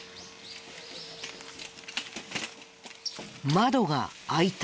窓が開いた。